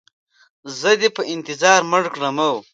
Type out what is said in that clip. زه دې په انتظار مړ کړم.